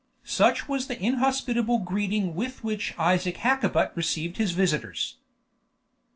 Such was the inhospitable greeting with which Isaac Hakkabut received his visitors.